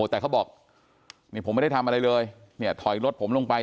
แต่เขาบอกนี่ผมไม่ได้ทำอะไรเลยเนี่ยถอยรถผมลงไป